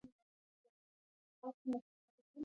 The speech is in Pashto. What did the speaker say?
لیکوال باید د ایم ایل اې ټولنې غړی وي.